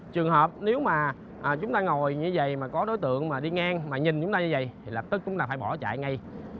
trường hợp nếu mà chúng ta ngồi như vậy mà có đối tượng mà đi ngang mà nhìn những nơi như vậy thì lập tức chúng là phải bỏ chạy ngay